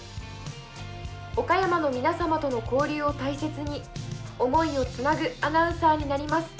岡山の皆様との交流を大切に思いをつなぐアナウンサーになります。